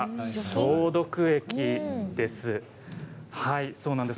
消毒液です。